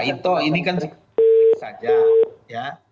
itu ini kan sikap saja ya